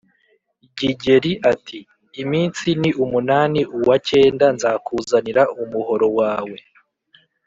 Gigeli ati iminsi ni umunani, uwa cyenda, nkakuzanira umuhoro wawe